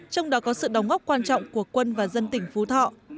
trong đó có sự đóng góp quan trọng của quân và dân tỉnh phú thọ